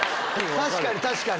確かに確かに。